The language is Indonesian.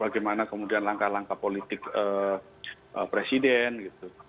bagaimana kemudian langkah langkah politik presiden gitu